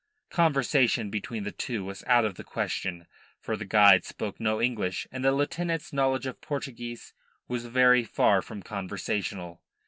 Conversation between the two was out of the question, for the guide spoke no English and the lieutenant's knowledge of Portuguese was very far from conversational.